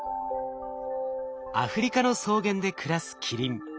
アフリカの草原で暮らすキリン。